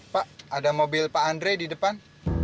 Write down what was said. pak ada mobil pak andre di depan